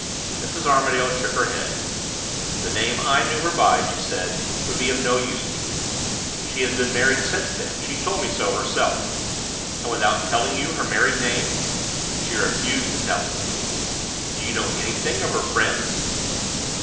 Mrs. Armadale shook her head, "The name I knew her by," she said, "would be of no use to you. She has been married since then; she told me so herself." "And without telling you her married name?" "She refused to tell it." "Do you know anything of her friends?"